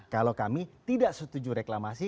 kalau kami tidak setuju reklamasi